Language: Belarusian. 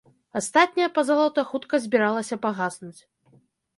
Астатняя пазалота хутка збіралася пагаснуць.